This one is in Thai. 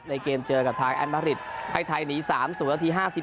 ในเกมเจอกับทางแอลมาฮิลิตให้ไทยหนี๓๐แล้วที๕๒